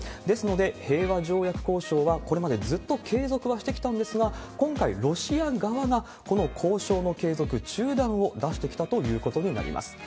ですので、平和条約交渉はこれまでずっと継続はしてきたんですが、今回、ロシア側がこの交渉の継続、中断を出してきたということになります。